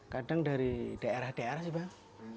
kadang dari daerah daerah sih bang